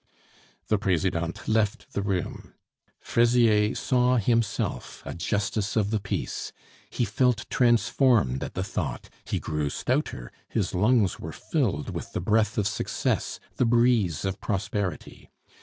The Presidente left the room. Fraisier saw himself a justice of the peace. He felt transformed at the thought; he grew stouter; his lungs were filled with the breath of success, the breeze of prosperity.